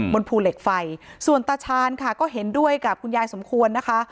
บนภูเหล็กไฟส่วนตาชาญค่ะก็เห็นด้วยกับคุณยายสมควรนะคะ